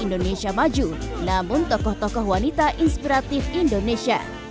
indonesia maju namun tokoh tokoh wanita inspiratif indonesia